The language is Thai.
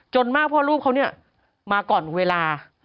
มากเพราะลูกเขาเนี่ยมาก่อนเวลา